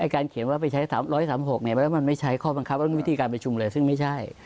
การเขียนว่าไปใช้๓๓๖มันไม่ใช้ข้อบังคับและวิธีการประชุมเลยซึ่งไม่ใช่